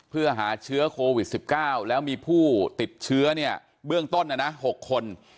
เพื่อหาเชื้อโควิด๑๙แล้วมีผู้ติดเชื้อเนี่ยเบื้องต้นนะนะ๖คน